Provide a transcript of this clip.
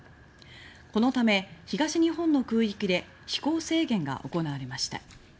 このため東日本の空域で飛行制限が行われました。